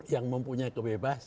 yang mempunyai kebebasan